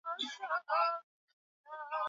Mawazo yamemsonga akilini